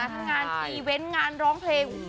ทั้งงานอีเวนต์งานร้องเพลง